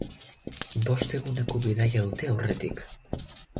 Bost eguneko bidaia dute aurretik.